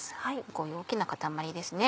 こういう大きな塊ですね